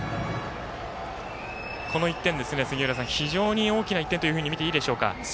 この１点ですが杉浦さん、非常に大きな１点と見ていいでしょうか？